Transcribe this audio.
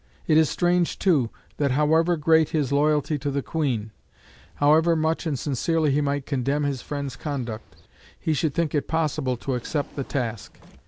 It is strange, too, that however great his loyalty to the Queen, however much and sincerely he might condemn his friend's conduct, he should think it possible to accept the task.